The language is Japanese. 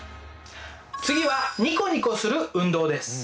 次はニコニコする運動です。